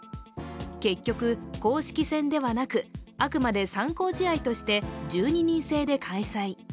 結局公式戦ではなくあくまで参考試合として１２人制で開催。